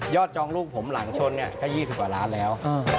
จองลูกผมหลังชนเนี่ยก็๒๐กว่าล้านแล้ว